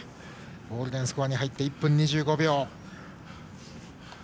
ゴールデンスコアに入って１分２５秒。